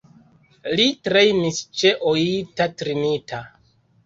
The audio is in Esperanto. Li trejnis ĉe Oita Trinita.